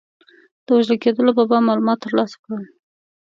د وژل کېدلو په باب معلومات ترلاسه کړل.